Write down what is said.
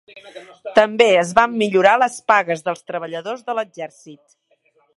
També es van millorar les pagues dels treballadors de l'exèrcit.